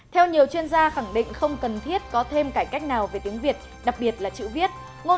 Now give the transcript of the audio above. theo nhiều chuyên gia khẳng định không cần thiết có thêm cải cách nào về tiếng việt đặc biệt là chữ viết